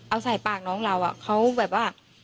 เอาใส่ปากน้องเราเขาแบบว่า